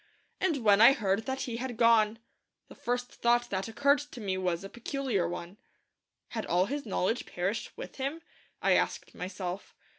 And when I heard that he had gone, the first thought that occurred to me was a peculiar one. Had all his knowledge perished with him? I asked myself.